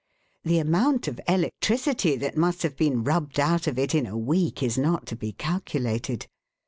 The amount of electricity that must have been rubbed out of it in a week, is not to be calculated.